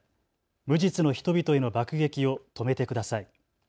無実の人々への爆撃を止めてください。